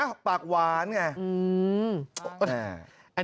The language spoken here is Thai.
อ๊ะปากหวานไง